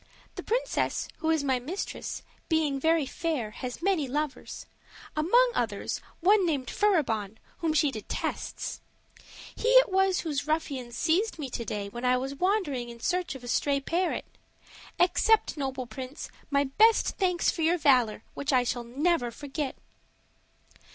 The princess, who is my mistress, being very fair, has many lovers among others, one named Furibon, whom she detests; he it was whose ruffians seized me to day when I was wandering in search of a stray parrot. Accept, noble prince, my best thanks for your valor, which I shall never forget."